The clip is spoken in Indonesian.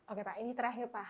oke pak ini terakhir pak